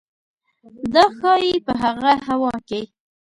دا ښايي په هغه هوا کې